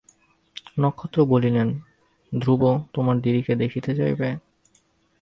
নক্ষত্র বলিলেন, ধ্রুব তোমার দিদিকে দেখিতে যাইবে?